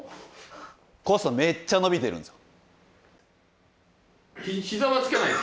こうするとめっちゃ伸びてるんですよ。